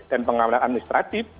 dan pengamanan administratif